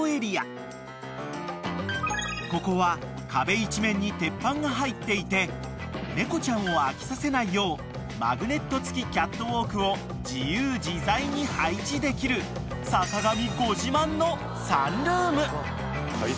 ［ここは壁一面に鉄板が入っていて猫ちゃんを飽きさせないようマグネット付きキャットウォークを自由自在に配置できる坂上］